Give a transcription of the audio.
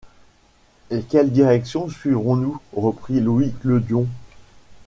Et quelle direction suivrons-nous ?... reprit Louis Clodion.